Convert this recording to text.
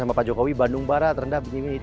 sama pak jokowi bandung barat rendah begini